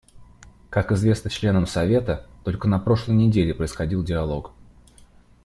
Как известно членам Совета, только на прошлой неделе происходил диалог.